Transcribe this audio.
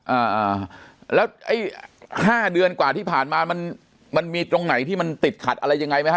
อ่าอ่าแล้วไอ้ห้าเดือนกว่าที่ผ่านมามันมันมีตรงไหนที่มันติดขัดอะไรยังไงไหมฮะ